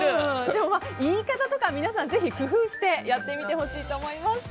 でも、言い方とか皆さん、ぜひ工夫してやってみてほしいと思います。